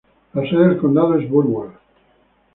La sede del condado es Burwell.